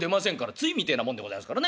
対みてえなもんでございやすからね。